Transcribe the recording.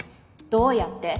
どうやって？